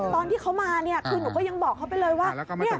ตอนที่เขามาคุณก็ยังบอกเขาไปเลยว่า